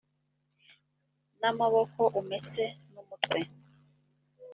n amaboko umese n umutwe